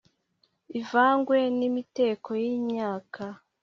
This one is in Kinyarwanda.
Ivangwe nimiteko yimyaka